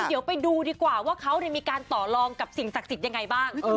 เดี๋ยวไปดูดีกว่าว่าเขามีการต่อลองกับสิ่งศักดิ์สิทธิ์ยังไงบ้าง